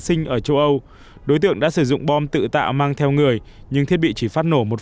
sinh ở châu âu đối tượng đã sử dụng bom tự tạo mang theo người nhưng thiết bị chỉ phát nổ một